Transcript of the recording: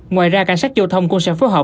ngoài ra cảnh sát giao thông cũng sẽ phối hợp